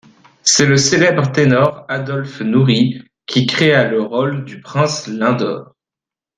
C'est le célèbre ténor Adolphe Nourrit qui créa le rôle du Prince Lindor.